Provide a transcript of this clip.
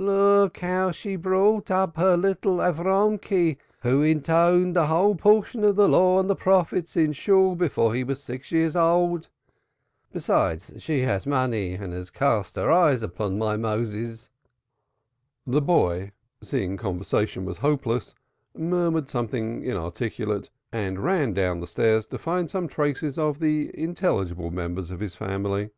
Look how she brought up her Avromkely, who intoned the whole Portion of the Law and the Prophets in Shool before he was six years old. Besides she has money and has cast eyes upon him." The boy, seeing conversation was hopeless, murmured something inarticulate and ran down the stairs to find some traces of the intelligible members of his family.